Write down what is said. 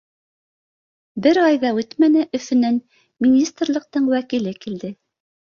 Бер ай ҙа үтмәне Өфөнән министрлыҡтың вәкиле килде.